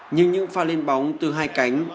nhưng những pha lên bóng từ hai cánh